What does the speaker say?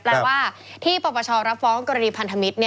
แปลว่าที่ปปชรับฟ้องกรณีพันธมิตร